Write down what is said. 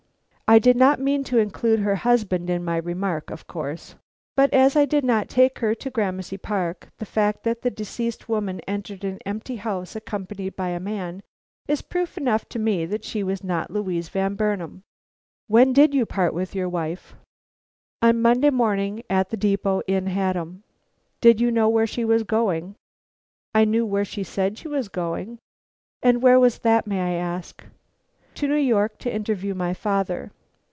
"I did not mean to include her husband in my remark, of course. But as I did not take her to Gramercy Park, the fact that the deceased woman entered an empty house accompanied by a man, is proof enough to me that she was not Louise Van Burnam." "When did you part with your wife?" "On Monday morning at the depot in Haddam." "Did you know where she was going?" "I knew where she said she was going." "And where was that, may I ask?" "To New York, to interview my father."